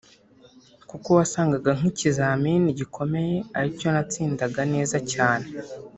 kuko wasangaga nk’ikizamini gikomeye aricyo natsindaga neza cyane